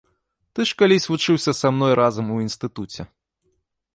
Ты ж калісь вучыўся са мной разам у інстытуце.